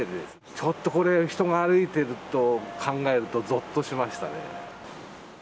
ちょっとこれ、人が歩いてると考えるとぞっとしましたね。